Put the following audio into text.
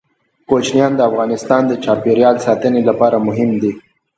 کوچیان د افغانستان د چاپیریال ساتنې لپاره مهم دي.